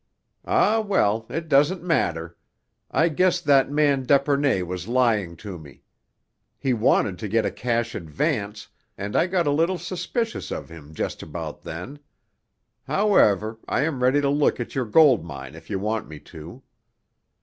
"Ah, well, it doesn't matter. I guess that man, d'Epernay, was lying to me. He wanted to get a cash advance, and I got a little suspicious of him just about then. However, I am ready to look at your gold mine if you want me to."